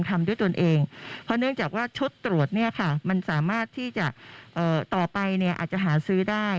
ทำด้วยตนเองเพราะเนื่องจากว่าชุดตรวจเนี่ยค่ะมันสามารถที่จะต่อไปเนี่ยอาจจะหาซื้อได้